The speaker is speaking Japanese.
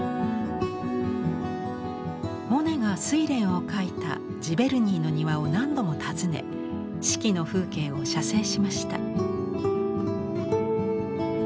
モネが「睡蓮」を描いたジヴェルニーの庭を何度も訪ね四季の風景を写生しました。